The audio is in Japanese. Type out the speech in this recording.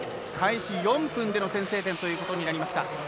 開始４分での先制点ということになりました。